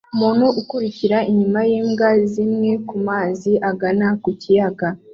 Umuntu akurikira inyuma yimbwa zimwe kumazi agana ku kiyaga